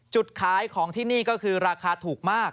จุดขายของที่นี่ก็คือราคาถูกมาก